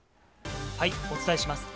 お伝えします。